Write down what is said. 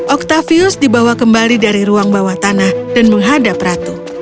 octavius dibawa kembali dari ruang bawah tanah dan menghadap ratu